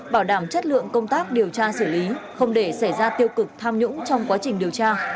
bảo đảm chất lượng công tác điều tra xử lý không để xảy ra tiêu cực tham nhũng trong quá trình điều tra